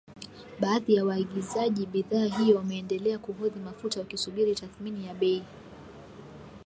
Baadhi ya waagizaji bidhaa hiyo wameendelea kuhodhi mafuta wakisubiri tathmini ya bei